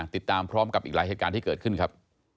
ติดตามพร้อมกับอีกหลายเหตุการณ์ที่เกิดขึ้นครับ